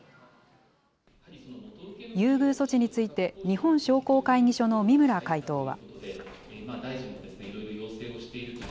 優遇措置について、日本商工会議所の三村会頭は。